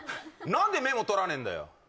何でメモ取らねえんだよ